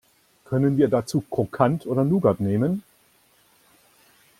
Können wir dazu Krokant oder Nougat nehmen?